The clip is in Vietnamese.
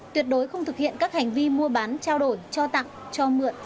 tuyệt đối không thực hiện các hành vi mua bán trao đổi cho tặng cho mượn